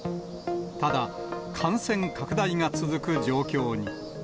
ただ、感染拡大が続く状況に。